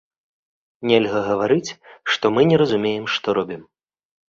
Нельга гаварыць, што мы не разумеем, што робім.